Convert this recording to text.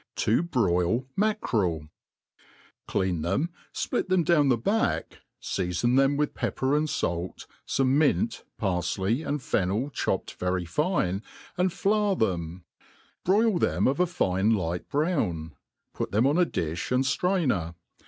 To br$il MackereU CLEAN cbeo^ iplrt tbem down the back, feafon them with ^pper and fak, fine miot, parfley, and fennel chopped very fiac^ and flonr diem ; broil them of a fine light brown, put them on a di(b and flrainer.